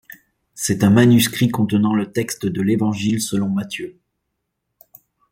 C'est un manuscrit contenant le texte de l'Évangile selon Matthieu.